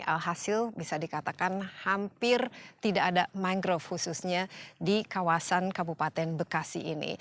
alhasil bisa dikatakan hampir tidak ada mangrove khususnya di kawasan kabupaten bekasi ini